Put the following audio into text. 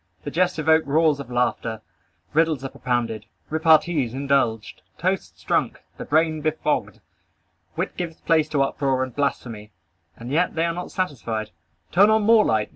The jests evoke roars of laughter. Riddles are propounded. Repartees indulged. Toasts drunk. The brain befogged. Wit gives place to uproar and blasphemy. And yet they are not satisfied. Turn on more light.